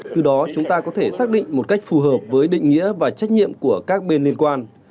từ đó chúng ta có thể xác định một cách phù hợp với định nghĩa và trách nhiệm của các bên liên quan